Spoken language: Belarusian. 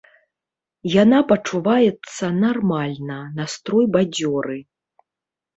Яна пачуваецца нармальна, настрой бадзёры.